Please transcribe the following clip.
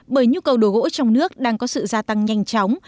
bởi nhu cầu đồ gỗ trong nước đang có sự gia tăng nhanh chóng